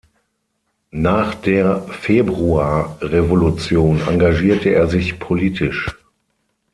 Nach der Februarrevolution engagierte er sich politisch.